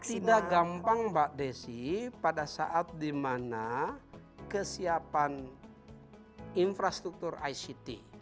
tidak gampang mbak desy pada saat dimana kesiapan infrastruktur ict